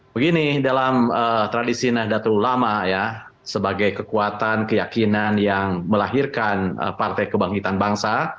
begini dalam tradisi nahdlatul ulama ya sebagai kekuatan keyakinan yang melahirkan partai kebangkitan bangsa